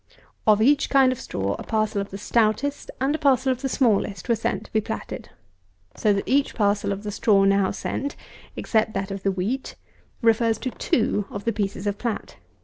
Of each kind of straw a parcel of the stoutest and a parcel of the smallest were sent to be platted; so that each parcel of the straw now sent, except that of the wheat, refers to two of the pieces of plat.